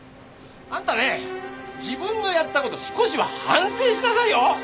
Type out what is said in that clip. あんたね自分のやった事少しは反省しなさいよ！